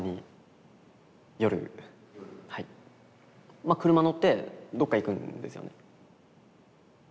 まあ車乗ってどっか行くんですよね。